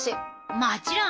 もちろん！